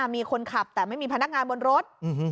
มีคนขับแต่ไม่มีพนักงานบนรถ